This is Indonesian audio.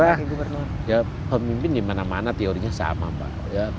ya saya kira pemimpin dimana mana teorinya sama pak